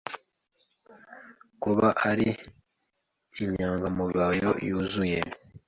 Kuba uri Inyangamugayo yuzuye